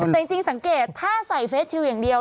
แต่จริงสังเกตถ้าใส่เฟสชิลอย่างเดียว